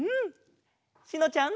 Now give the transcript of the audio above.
しのちゃん。